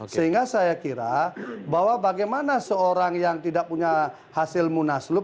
sehingga saya kira bahwa bagaimana seorang yang tidak punya hasil munaslup